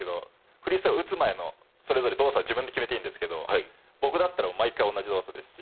フリースロー打つ前のそれぞれ動作は自分で決めていいんですけど僕だったら毎回同じ動作ですし。